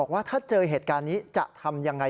ฟังการโตเถียงนะฮะ